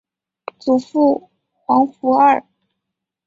祖父黄福二。